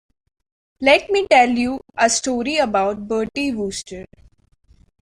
Let me tell you a story about Bertie Wooster.